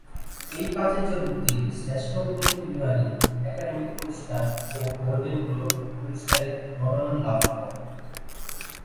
এই কাজের জন্য তিনি শ্রেষ্ঠ অভিনেত্রী বিভাগে একাডেমি পুরস্কার ও গোল্ডেন গ্লোব পুরস্কারের মনোনয়ন লাভ করেন।